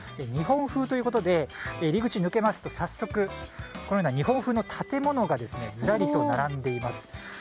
日本風ということで入り口を抜けますと早速、日本風の建物がずらりと並んでいます。